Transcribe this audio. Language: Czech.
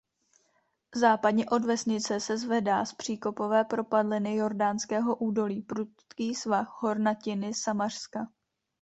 Západně od vesnice se zvedá z příkopové propadliny Jordánského údolí prudký svah hornatiny Samařska.